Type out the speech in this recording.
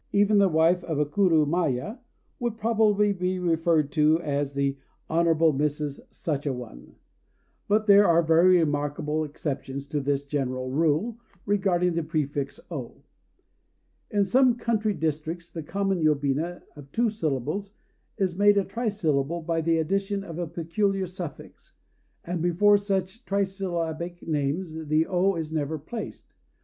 Even the wife of a kurumaya would probably be referred to as the "Honorable Mrs. Such a one." But there are very remarkable exceptions to this general rule regarding the prefix "O." In some country districts the common yobina of two syllables is made a trisyllable by the addition of a peculiar suffix; and before such trisyllabic names the "O" is never placed.